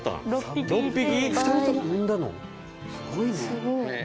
すごいね。